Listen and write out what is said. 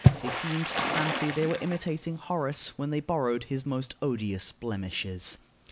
They seemed to fancy they were imitating Horace when they borrowed his most odious blemishes.